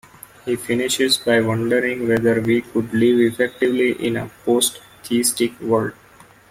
He finishes by wondering whether we could live effectively in a post-theistic world.